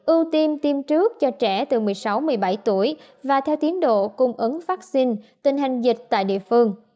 ưu tiêm tiêm trước cho trẻ từ một mươi sáu một mươi bảy tuổi và theo tiến độ cung ứng vaccine tình hình dịch tại địa phương